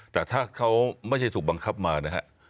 แต่ถ้าเขาไม่ได้ถูกบังคับมานะฮะ